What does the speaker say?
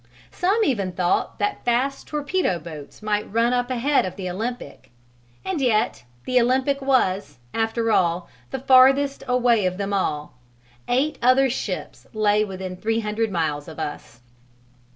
Some even thought that fast torpedo boats might run up ahead of the Olympic. And yet the Olympic was, after all, the farthest away of them all; eight other ships lay within three hundred miles of us.